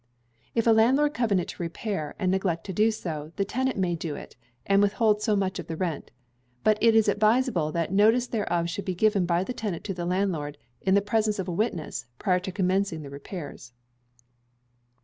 If a landlord covenant to repair, and neglect to do so, the tenant may do it, and withhold so much of the rent. But it is advisable that notice thereof should be given by the tenant to the landlord, in the presence of a witness, prior to commencing the repairs.